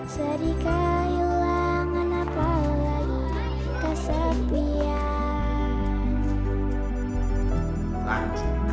sedih kehilangan apalagi kesepian